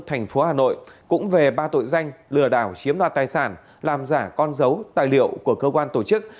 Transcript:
tp hà nội cũng về ba tội danh lừa đảo chiếm đo tài sản làm giả con dấu tài liệu của cơ quan tổ chức